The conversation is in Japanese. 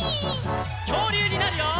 きょうりゅうになるよ！